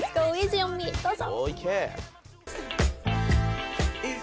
どうぞ。